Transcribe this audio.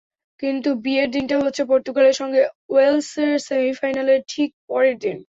কিন্তু বিয়ের দিনটা হচ্ছে পর্তুগালের সঙ্গে ওয়েলসের সেমিফাইনালের ঠিক পরের দিন।